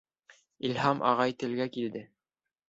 Илһам ағай телгә килде: